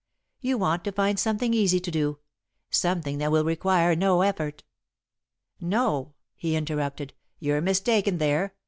You want to find something easy to do something that will require no effort." "No," he interrupted, "you're mistaken there.